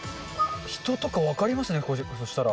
人とか分かりますね、そしたら。